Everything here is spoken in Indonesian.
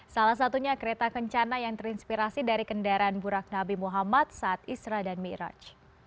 salah satunya kereta kencana yang terinspirasi dari kendaraan burak nabi muhammad saat isra dan miraj